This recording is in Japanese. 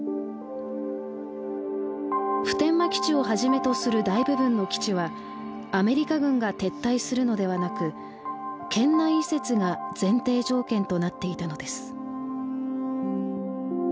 普天間基地をはじめとする大部分の基地はアメリカ軍が撤退するのではなく県内移設が前提条件となっていたのです。